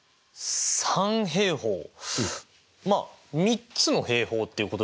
三平方まあ３つの平方っていうことですよね。